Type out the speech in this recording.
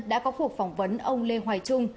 đã có cuộc phỏng vấn ông lê hoài trung